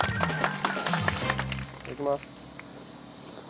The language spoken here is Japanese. いただきます。